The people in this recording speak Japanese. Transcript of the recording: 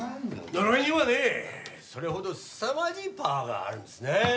呪いにはねそれほどすさまじいパワーがあるんですね。